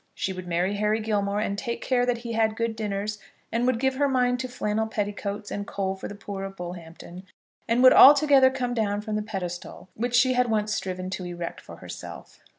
She would marry Harry Gilmore, and take care that he had good dinners, and would give her mind to flannel petticoats and coal for the poor of Bullhampton, and would altogether come down from the pedestal which she had once striven to erect for herself.